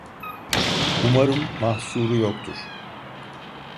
Umarım mahsuru yoktur.